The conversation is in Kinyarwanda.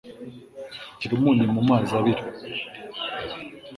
Shira umunyu mumazi abira.